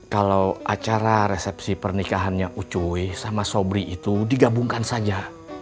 kalau acara resepsi pernikahannya ucoe sama sobri itu digabungkan saja